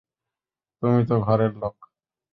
তুমি তো ঘরের লোক।